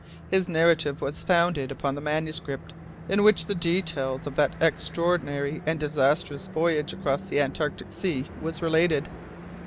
His narrative was founded upon the manuscript in which the details of that extraordinary and disastrous voyage across the Antarctic Sea was related."